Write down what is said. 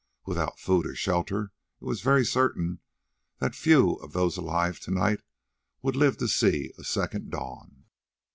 Without food or shelter it was very certain that few of those alive to night would live to see a second dawn.